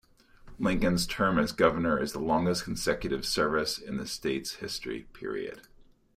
Lincoln's term as governor is the longest consecutive service in the state's history.